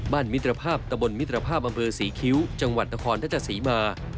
มิตรภาพตะบนมิตรภาพอำเภอศรีคิ้วจังหวัดนครทัชศรีมา